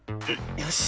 よし！